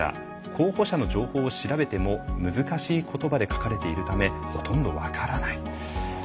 候補者の情報を調べても難しい言葉で書かれているためほとんど分からない。